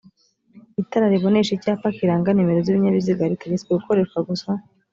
itara ribonesha icyapa kiranga numero z’ibinyabiziga ritegetswe gukoreshwa gusa